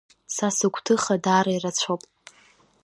Са сыгәҭыха, даара ирацәоуп.